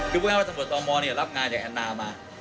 คือพวกเราทรมานรับงานจากแอนนามา